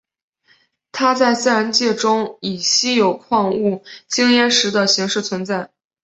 它在自然界中以稀有矿物羟铟石的形式存在。